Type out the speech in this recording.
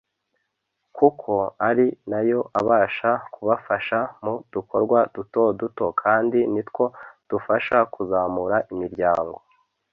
kuko ari na yo abasha kubafasha mu dukorwa duto duto kandi ni two dufasha kuzamura imiryango